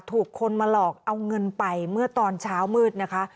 ถูกคนมาหลอกเอาเงินไปเมื่อตอนเช้ามืดนะคะ